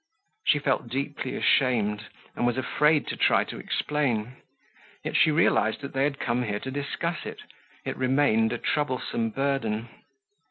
She felt deeply ashamed and was afraid to try to explain. Yet she realized that they had come here to discuss it. It remained a troublesome burden.